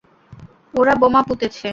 ওরা বোমা পুঁতেছে।